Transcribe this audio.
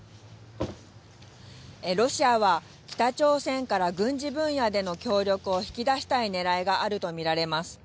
ロシアは、北朝鮮から軍事分野での協力を引き出したいねらいがあると見られます。